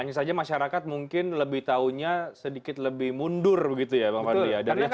jadi maksudnya masyarakat mungkin lebih tahunya sedikit lebih mundur begitu ya pak fadli